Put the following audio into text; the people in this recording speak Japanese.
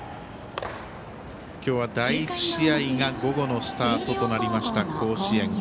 今日は第１試合が午後のスタートとなりました甲子園。